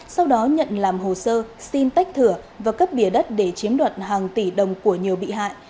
sau đó nhận làm hồ sơ xin tách thửa và cấp bìa đất để chiếm đoạt hàng tỷ đồng của nhiều bị hại